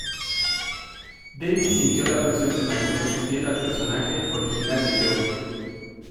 Davies sintió la presión de mantenerse fiel al personaje original de Jo.